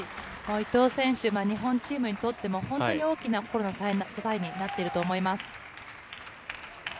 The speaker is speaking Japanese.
伊藤選手、日本チームにとっても本当に大きな心の支えになっていると思います。